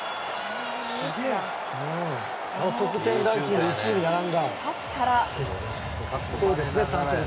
得点ランキング１位に並んだ。